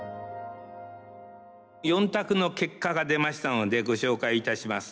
４択の結果が出ましたのでご紹介いたします。